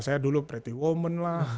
saya dulu pretty women lah